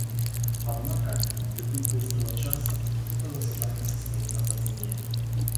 Однако, ввиду позднего часа, это заседание состоится позднее.